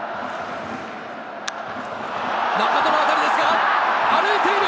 中田の当たりですが、歩いている！